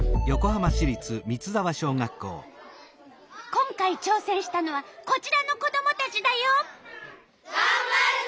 今回ちょうせんしたのはこちらの子どもたちだよ。がんばるぞ！